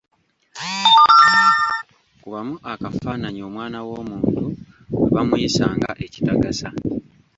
Kubamu akafaananyi omwana w'omuntu bwe bamuyisa nga ekitagasa!